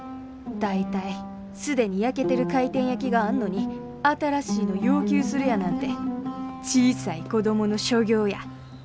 大体既に焼けてる回転焼きがあんのに新しいの要求するやなんて小さい子供の所業や。